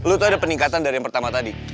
lu tuh ada peningkatan dari yang pertama tadi